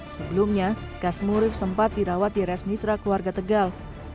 sebelumnya kas murif sempat dirawat di resmitra keluarga tegal